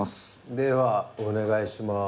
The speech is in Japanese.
ではお願いします。